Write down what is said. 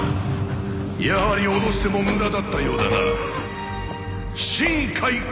やはり脅しても無駄だったようだな新海一馬！